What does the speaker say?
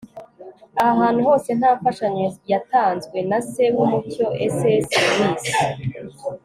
nta gikorwa cyiza gikorerwa ahantu hose nta mfashanyo yatanzwe na se w'umucyo - c s lewis